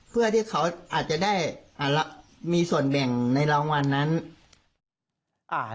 เพื่อที่เขาอาจจะได้มีส่วนแบ่งในรางวัลนั้น